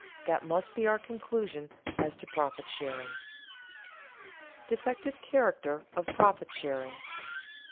That must be our conclusion as to profit sharing. [Sidenote: Defective character of profit sharing] 5.